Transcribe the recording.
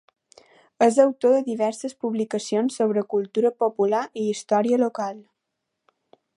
És autor de diverses publicacions sobre cultura popular i història local.